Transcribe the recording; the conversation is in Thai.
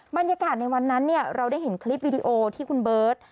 บรรยากาศในวันนั้นเราได้เห็นคลิปวิดีโอที่คุณเบิร์ต